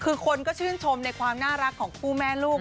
คือคนก็ชื่นชมในความน่ารักของคู่แม่ลูก